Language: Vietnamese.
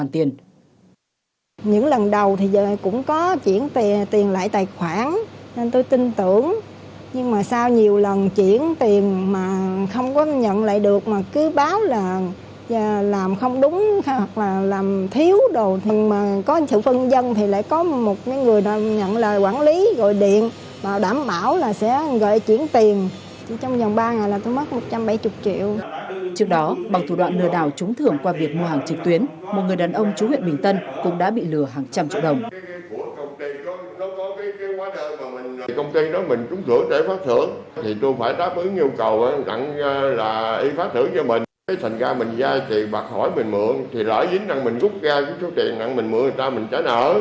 thành ra mình ra tiền bạc hỏi mình mượn thì lợi dính mình gúc ra một số tiền mình mượn người ta mình trả nợ